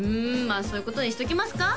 まあそういうことにしときますか？